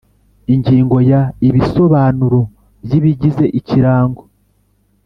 Ingingo ya Ibisobanuro by ibigize ikirango